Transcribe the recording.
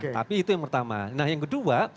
tapi itu yang pertama nah yang kedua